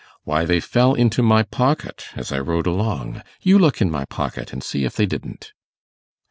'Why, they fell into my pocket as I rode along. You look in my pocket and see if they didn't.